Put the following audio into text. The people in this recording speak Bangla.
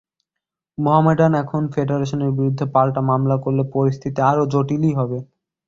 মোহামেডান এখন ফেডারেশনের বিরুদ্ধে পাল্টা মামলা করলে পরিস্থিতি আরও জটিলই হবে।